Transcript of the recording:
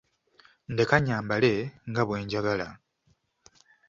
Ndekka nyambale nga bwenjagala.